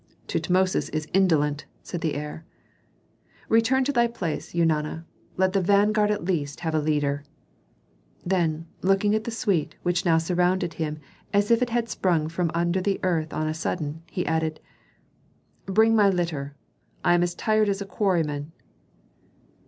"Tutmosis is indolent," said the heir. "Return to thy place, Eunana. Let the vanguard at least have a leader." Then, looking at the suite which now surrounded him as if it had sprung from under the earth on a sudden, he added, "Bring my litter. I am as tired as a quarryman."